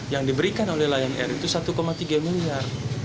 yang diberikan oleh layan r itu satu tiga miliar